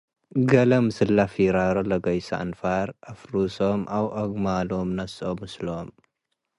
ገሌ ምስለ ፊራሮ ለገይሶ አንፋር አፍሩሶም አው አግማሎም ነስኦ ምስሎም ።